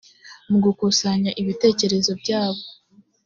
mu gukusanya ibitekerezo byabo